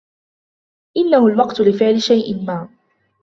إنهُ الوقت لِفعل شيئاً ما.